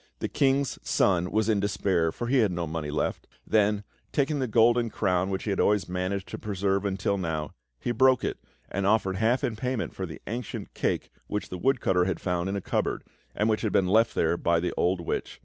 The King's Son was in despair, for he had no money left; then taking the golden crown which he had always managed to preserve until now, he broke it and offered half in payment for the ancient cake which the woodcutter had found in a cupboard, and which had been left there by the old witch.